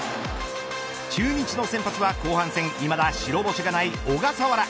中日の先発は後半戦いまだ白星がない小笠原。